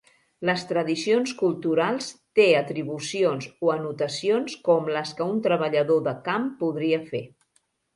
Les tradicions culturals té atribucions o anotacions com les què un treballador de camp podria fer.